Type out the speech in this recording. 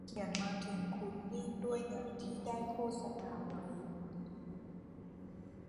ฉันเขียนมาถึงคุณเนื่องด้วยงานที่ได้โฆษณาไว้